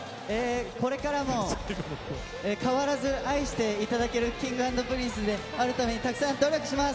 これからも変わらず愛していただけるＫｉｎｇ＆Ｐｒｉｎｃｅであるためにたくさん努力します。